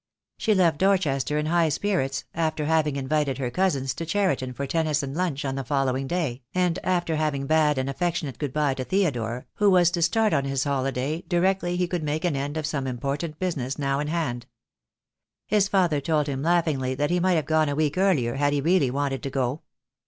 She left Dorchester in high spirits, after having invited her cousins to Cheriton for tennis and lunch on the following day, and after having bade an THE DAY WILL COME. 67 affectionate good bye to Theodore, who was to start on his holiday directly he could make an end of some im portant business now in hand. His father told him laugh ingly that he might have gone a week earlier had he really wanted to go.